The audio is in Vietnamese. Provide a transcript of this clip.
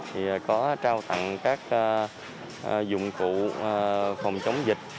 thì có trao tặng các dụng cụ phòng chống dịch